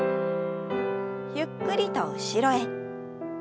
ゆっくりと後ろへ。